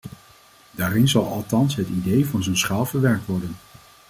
Daarin zal althans het idee van zo'n schaal verwerkt worden.